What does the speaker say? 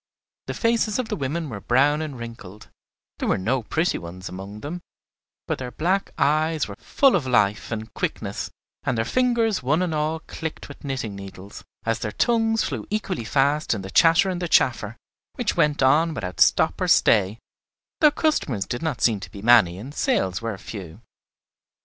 The faces of the women were brown and wrinkled; there were no pretty ones among them, but their black eyes were full of life and quickness, and their fingers one and all clicked with knitting needles, as their tongues flew equally fast in the chatter and the chaffer, which went on without stop or stay, though customers did not seem to be many and sales were few.